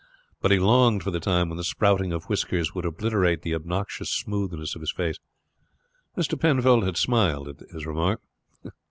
But he longed for the time when the sprouting of whiskers would obliterate the obnoxious smoothness of his face. Mr. Penfold had smiled at his remark.